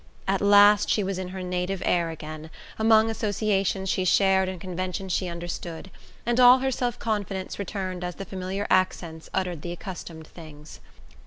At last she was in her native air again, among associations she shared and conventions she understood; and all her self confidence returned as the familiar accents uttered the accustomed things.